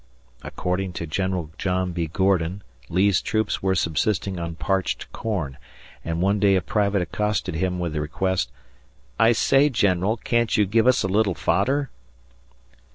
According to General John B. Gordon, Lee's troops were subsisting on parched corn, and one day a private accosted him with the request, "I say, General, can't you give us a little fodder?"